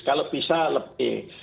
kalau bisa lebih